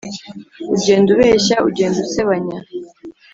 Ugenda ubeshya ugenda usebanya